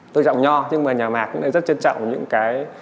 tôn trọng nho nhưng mà nhà mạc cũng rất trân trọng những cái